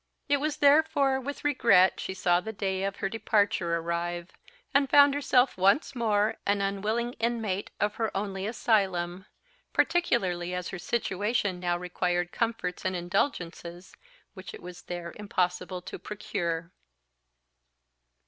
It was therefore with regret she saw the day of her departure arrive, and found herself once more an unwilling inmate of her only asylum; particularly as her situation now required comforts and indulgences which it was there impossible to procure.